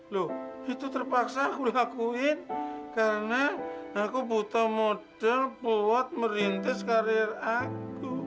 lho itu terpaksa aku lakuin karena aku buta model buat merintis karir aku